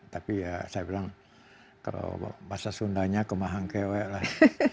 tapi ya saya bilang kalau bahasa sundanya kemahangkewek lah